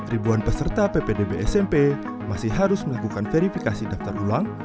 ribuan peserta ppdb smp masih harus melakukan verifikasi daftar ulang